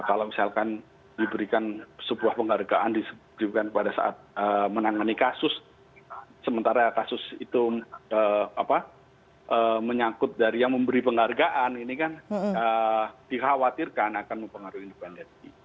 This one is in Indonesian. kalau misalkan diberikan sebuah penghargaan pada saat menangani kasus sementara kasus itu menyangkut dari yang memberi penghargaan ini kan dikhawatirkan akan mempengaruhi independensi